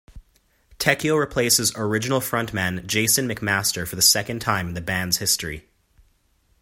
Tecchio replaces original frontman Jason McMaster for the second time in the band's history.